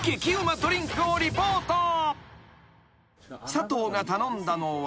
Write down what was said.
［佐藤が頼んだのは］